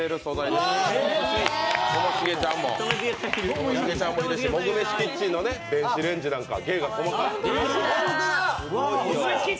ともしげちゃんもいるし「モグ飯キッチン」の電子レンジなんかも。